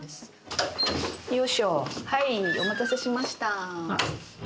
よいしょはいお待たせしました。